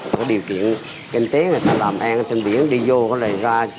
có điều kiện kinh tế người ta làm ăn trên biển đi vô có lời ra